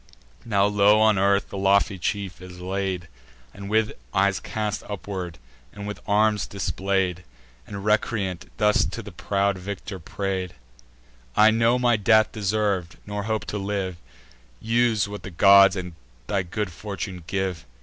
Now low on earth the lofty chief is laid, With eyes cast upward, and with arms display'd, And, recreant, thus to the proud victor pray'd: "I know my death deserv'd, nor hope to live: Use what the gods and thy good fortune give.